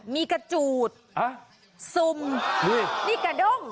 มีกระจูดซุ่มนี่กระด้ง